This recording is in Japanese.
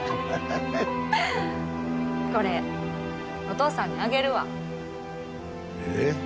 フフフフこれお父さんにあげるわえっ